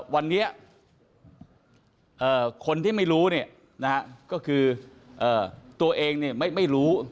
วันนี้คนที่ไม่รู้ก็คือตัวเองไม่รู้